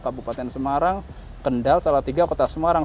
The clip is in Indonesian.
kabupaten semarang kendal salah tiga kota semarang